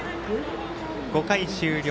５回終了。